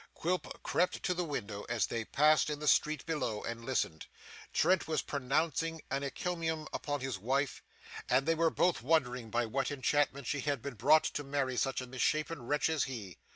Quilp crept to the window as they passed in the street below, and listened. Trent was pronouncing an encomium upon his wife, and they were both wondering by what enchantment she had been brought to marry such a misshapen wretch as he.